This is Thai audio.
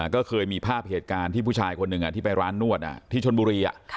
ก็เคยมีภาพเหตุการณ์ที่ผู้ชายคนหนึ่งที่ไปร้านนวดที่ชนบุรี